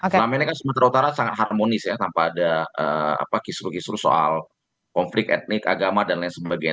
karena ini kan sumatera utara sangat harmonis ya tanpa ada kisru kisru soal konflik etnik agama dan lain sebagainya